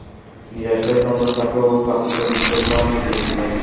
নিরাশ হয়ে সম্রাট তাঁকে ঐ পাতিলে নিক্ষেপ করার নির্দেশ দিল।